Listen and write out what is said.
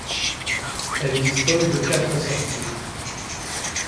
Elle dispose de quatre sorties.